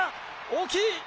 大きい。